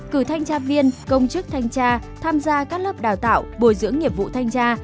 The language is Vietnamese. cử thanh tra viên công chức thanh tra tham gia các lớp đào tạo bồi dưỡng nghiệp vụ thanh tra